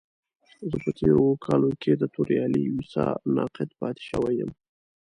زه په تېرو اوو کالو کې د توريالي ويسا ناقد پاتې شوی يم.